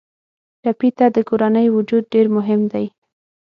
ټپي ته د کورنۍ وجود ډېر مهم دی.